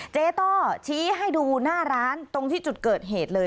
ต้อชี้ให้ดูหน้าร้านตรงที่จุดเกิดเหตุเลย